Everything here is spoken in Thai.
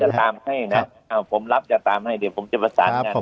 ผมจะตามให้นะครับอ่าผมรับจะตามให้เดี๋ยวผมจะประสานกันครับ